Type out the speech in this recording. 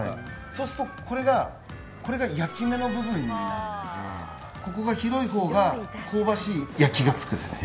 そうすると、これが焼き目の部分になるのでここが広いほうが香ばしい焼きが付くんですね。